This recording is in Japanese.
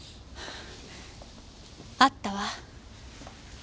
あったわ。